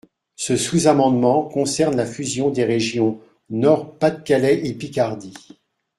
Ce sous-amendement concerne la fusion des régions Nord-Pas-de-Calais et Picardie.